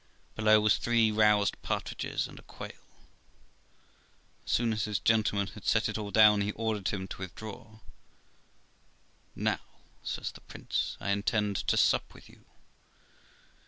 Below was three roasted partridges and a quail. As soon as his gentle man had set it all down, he ordered him to withdraw. 'Now', says the prince, 'I intend to sup with you.'